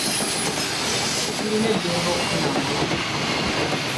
Tulina eddembe okufuna amawulire.